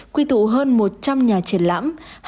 quy tụ hơn một trăm linh nhà triển lãm